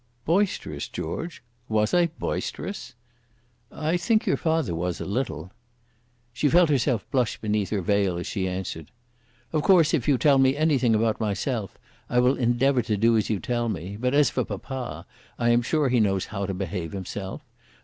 "Boisterous, George? Was I boisterous?" "I think your father was a little." She felt herself blush beneath her veil as she answered. "Of course if you tell me anything about myself, I will endeavour to do as you tell me; but, as for papa, I am sure he knows how to behave himself.